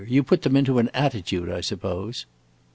"You put them into an attitude, I suppose."